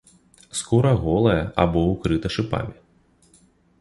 Скура голая або ўкрыта шыпамі.